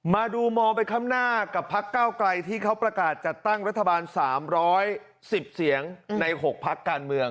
มาดูมองไปข้างหน้ากับพักเก้าไกลที่เขาประกาศจัดตั้งรัฐบาล๓๑๐เสียงใน๖พักการเมือง